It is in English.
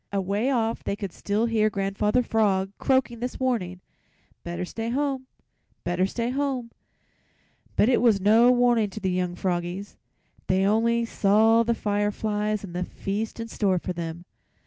Away off they could still hear Grandfather Frog croaking his warning: "Better stay home, better stay home." But it was no warning to the young froggies; they only saw the fireflies and the feast in store for them.